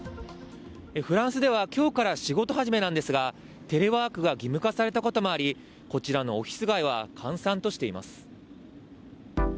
フランスではきょうから仕事始めなんですが、テレワークが義務化されたこともあり、こちらのオフィス街は、閑散としています。